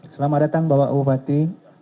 selamat datang bapak bupati